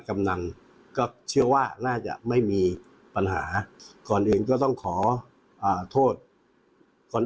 กำนันก็เชื่อว่าน่าจะไม่มีปัญหาก่อนอื่นก็ต้องขอโทษคน